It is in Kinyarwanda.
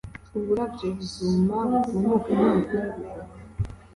uburabyo buzuma butumuke nk ‘umukungugu .